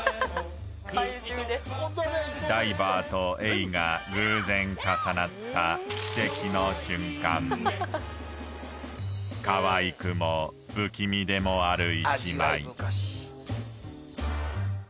怪獣でダイバーとエイが偶然重なったキセキの瞬間かわいくも不気味でもある